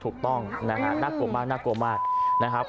ถูกต้องนะคะน่ากลัวมาก